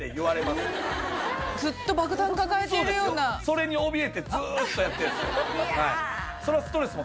それにおびえてずっとやってるんですよ